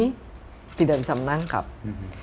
kita tidak bisa menangkap pelaku